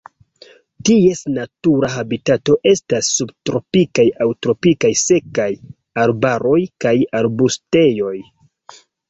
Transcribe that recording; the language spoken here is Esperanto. Ties natura habitato estas subtropikaj aŭ tropikaj sekaj arbaroj kaj arbustejoj.